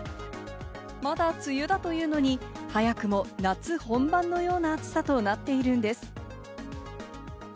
まだ梅雨だというのに、早くも夏本番のような暑さとなっているんです。